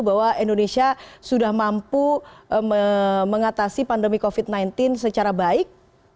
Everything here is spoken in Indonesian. bahwa indonesia sudah mampu mengatasi pandemi covid sembilan belas secara baik